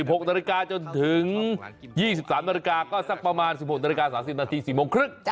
๖นาฬิกาจนถึง๒๓นาฬิกาก็สักประมาณ๑๖นาฬิกา๓๐นาที๔โมงครึ่ง